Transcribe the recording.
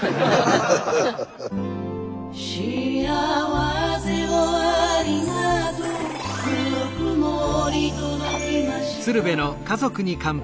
「幸せをありがとうぬくもり届きました」